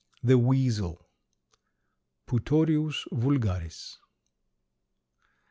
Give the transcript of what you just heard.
THE WEASEL. (_Putorius vulgaris.